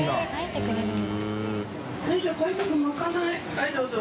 はいどうぞ。